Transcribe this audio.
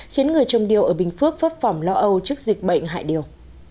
khiến người trồng điều ở bình phước phấp phỏng lo âu trước dịch bệnh hại điều